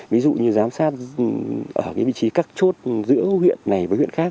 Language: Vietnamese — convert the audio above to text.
ví dụ như giám sát ở cái vị trí cắt chốt giữa huyện này